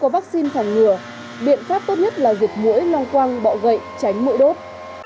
nếu có vaccine phản ngừa biện pháp tốt nhất là giật mũi long quang bọ gậy tránh mũi đốt